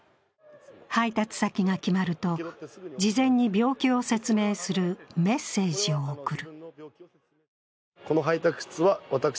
配達先が決まると、事前に病気を説明するメッセージを送る。